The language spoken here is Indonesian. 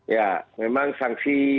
ya memang sanksi